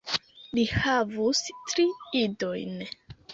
Li havus tri idojn.